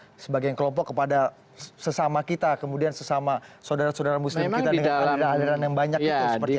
sebagai kelompok kepada sesama kita kemudian sesama saudara saudara muslim kita dengan kehadiran yang banyak itu seperti apa